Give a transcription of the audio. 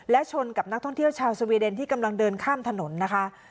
และชนกับนักท่องเที่ยวชาวสวีเดนที่กำลังเดินข้ามถนนนะคะ